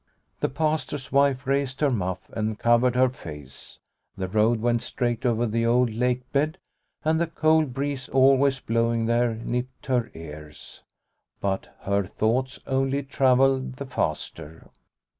The Pastor's wife raised her muff and covered her face. The road went straight over the old lake bed, and the cold breeze always blowing The Bride's Dance 99 there nipped her ears. But her thoughts only travelled the faster.